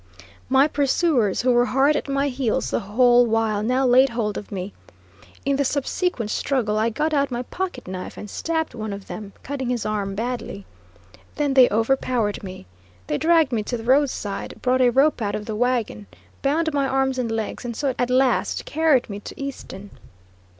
My pursuers who were hard at my heels the whole while now laid hold of me. In the subsequent struggle I got out my pocket knife, and stabbed one of them, cutting his arm badly. Then they overpowered me. They dragged me to the roadside, brought a rope out of the wagon, bound my arms and legs, and so at last carried me to Easton.